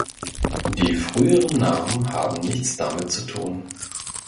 Die früheren Namen haben nichts damit zu tun.